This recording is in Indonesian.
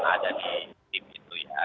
ada di tim itu ya